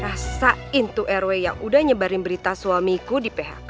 rasain tuh rw yang udah nyebarin berita suamiku di phk